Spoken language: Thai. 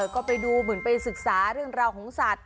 ก็ไปดูเหมือนไปศึกษาเรื่องราวของสัตว์